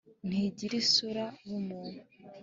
ntigira isura bumuntu